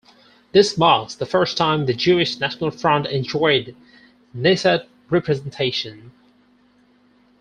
This marks the first time the Jewish National Front enjoyed Knesset representation.